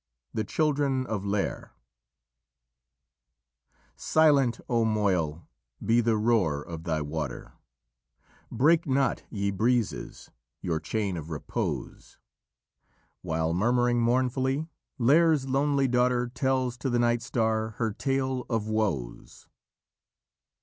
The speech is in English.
THE CHILDREN OF LÎR "Silent, O Moyle, be the roar of thy water; Break not, ye breezes, your chain of repose; While murmuring mournfully, Lîr's lonely daughter Tells to the night star her tale of woes."